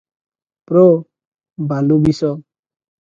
ପ୍ର - ବାଲୁବିଶ ।